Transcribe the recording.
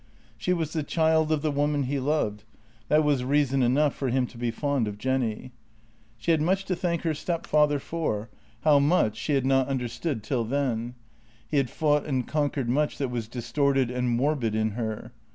She was the child of the woman he loved — that was reason enough for him to be fond of Jenny. She had much to thank her stepfather for; how much, she had not understood till now. He had fought and conquered much that was distorted and morbid in her.